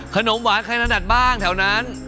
ขนมหวานใครถนัดบ้างแถวนั้น